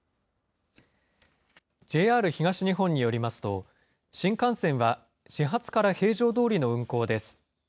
ＪＲ東日本によりますと、新幹線は始発から平常どおりの運行です。